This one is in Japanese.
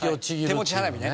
手持ち花火ね。